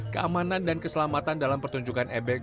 keamanan dan keselamatan dalam pertunjukan ebek